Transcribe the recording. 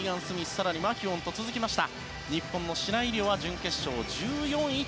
更にマキュオンと続きました。